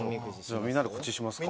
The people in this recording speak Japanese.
みんなでこっちしますか。